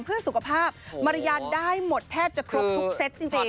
เพื่อสุขภาพมารยานได้หมดแทบจะครบทุกเซตจริง